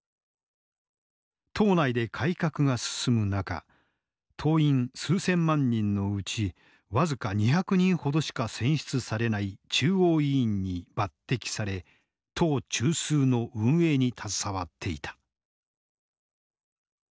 党内で改革が進む中党員数千万人のうち僅か２００人ほどしか選出されない中央委員に抜てきされ党中枢の運営に携わっていた。